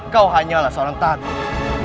kau hanyalah seorang takut